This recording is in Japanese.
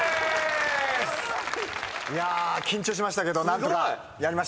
いや緊張しましたけど何とかやりました。